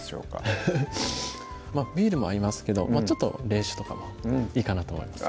フフフビールも合いますけどちょっと冷酒とかもいいかなと思います